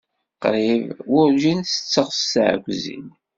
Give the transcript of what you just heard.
Qrib werǧin setteɣ s tɛekkzin.